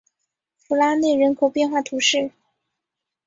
弗拉内人口变化图示